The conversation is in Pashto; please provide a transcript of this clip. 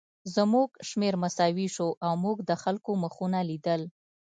زموږ شمېر مساوي شو او موږ د خلکو مخونه لیدل